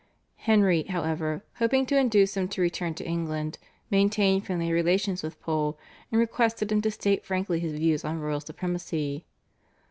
Henry, however, hoping to induce him to return to England, maintained friendly relations with Pole, and requested him to state frankly his views on royal supremacy.